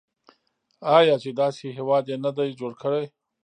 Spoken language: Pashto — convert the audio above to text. آیا چې داسې هیواد یې نه دی جوړ کړی؟